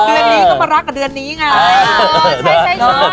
เดือนนี้ก็มารักกับเดือนนี้ไง